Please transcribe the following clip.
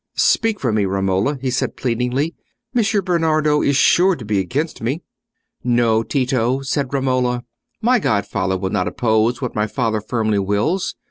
"Speak for me, Romola," he said, pleadingly. "Messer Bernardo is sure to be against me." "No, Tito," said Romola, "my godfather will not oppose what my father firmly wills.